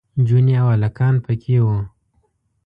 نجونې او هلکان پکې وو.